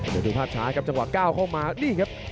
เดี๋ยวดูภาพช้าครับจังหวะก้าวเข้ามานี่ครับ